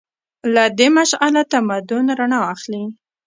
له دې مشعله تمدن رڼا اخلي.